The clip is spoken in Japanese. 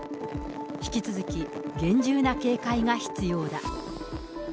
引き続き厳重な警戒が必要だ。